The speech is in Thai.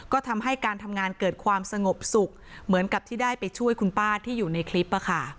ก็ทำให้การทำงานเกิดความสงบสุขเหมือนกับที่ได้ไปช่วยคุณป้าที่อยู่ในคลิป